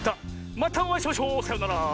またおあいしましょう！さようなら。